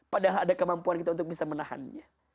padahal ada kemampuan kita untuk bisa menahannya